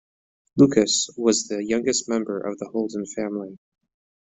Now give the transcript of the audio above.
Lucas was the youngest member of the Holden family.